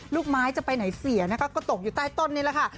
ลูกไม้จะไปไหนเสียนะคะก็ตกอยู่ใต้ต้นนี่แหละค่ะ